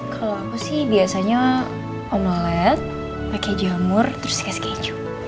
kalau aku sih biasanya omolet pakai jamur terus kayak keju